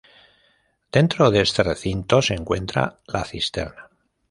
Dentro de este recinto se encuentra la cisterna.